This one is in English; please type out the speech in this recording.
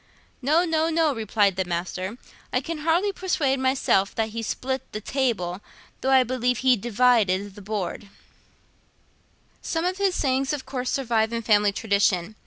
"No, no, no," replied the Master; "I can hardly persuade myself that he split the table, though I believe he divided the Board."' Some of his sayings of course survive in family tradition.